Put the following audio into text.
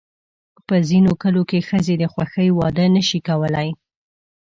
په ځینو کلیو کې ښځې د خوښې واده نه شي کولی.